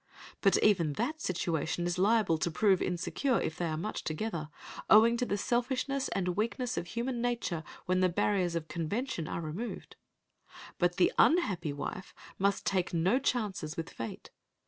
But even that situation is liable to prove insecure, if they are much together, owing to the selfishness and weakness of human nature when the barriers of convention are removed. But the unhappy wife must take no chances with Fate.